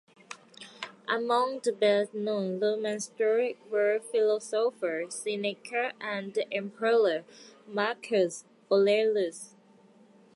Among the best known Roman Stoics were philosopher Seneca and the emperor Marcus Aurelius.